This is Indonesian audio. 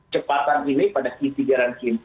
cepatan ini pada ke tiga dan ke empat